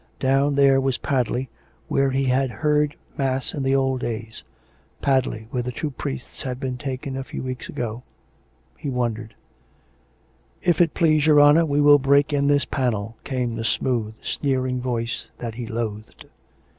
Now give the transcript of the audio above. Down there was Padley, where he had heard mass in the old days; Padley, where the two priests had been taken a few weeks ago. He wondered "" If it please your honour we will break in this panel," came the smooth, sneering voice that he loathed.